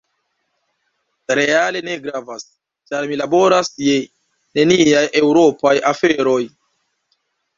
Reale ne gravas, ĉar mi laboras je neniaj eŭropaj aferoj.